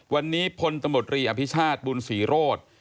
วันนี้พลตมอำภิชาสบูนศรีโรธ